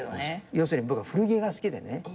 要するに僕は古着が好きでね。